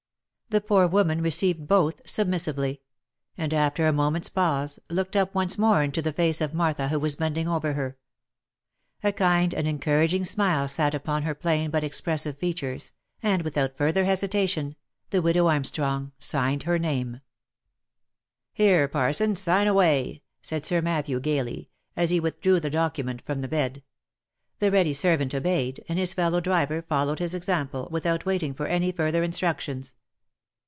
The poor woman received both submissively ; and after a moment's pause, looked up once more into the face of Martha who was bending over her. A kind and encouraging smile sat upon her plain but ex pressive features, and without further hesitation, the widow Armstrong signed her name. OF MICHAEL ARMSTRONG. 163 " Here Parsons, sign away !" said Sir Matthew gaily, as he with drew the document from the bed. The ready servant obeyed, and his fellow driver followed his example, without waiting for any further instructions.